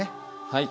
はい。